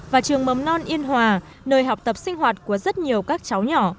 và trường mầm non yên hòa nơi học tập sinh hoạt của rất nhiều các cháu nhỏ